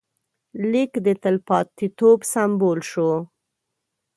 لیک د تلپاتېتوب سمبول شو.